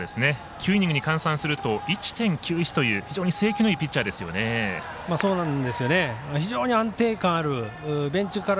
９イニングに換算すると１．９１という非常に制球のいいピッチャーです。